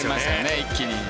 一気に。